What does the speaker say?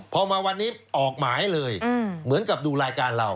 พอมาวันนี้ออกหมายเลยเหมือนกับดูรายการเรา